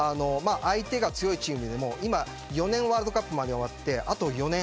相手が強いチームでもワールドカップまで、あと４年。